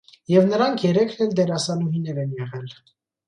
Եվ նրանք երեքն էլ դերասանուհիններ են եղել։